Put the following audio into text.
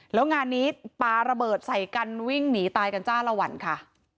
แล้วงานนี้ปลาระเบิดใส่กันวิ่งหนีตายกันจ้าละวันค่ะ